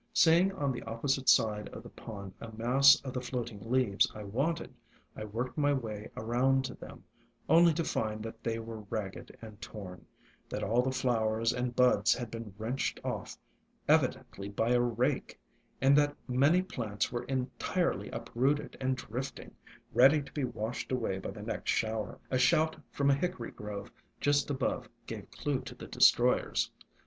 Seeing on the opposite side of the pond a mass of the floating leaves I wanted, I worked my way around to them, only to find that they were ragged and torn, that all the flowers and ALONG THE WATERWAYS 39 buds had been wrenched off, evidently by a rake, and that many plants were entirely uprooted and drifting, ready to be washed away by the next shower. A shout from a hickory grove just above gave clue to the destroyers.